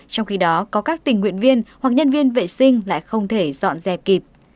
trong khi đó có các tình nguyện viên hoặc nhân viên vệ sinh lại không thể dọn dẹp kịp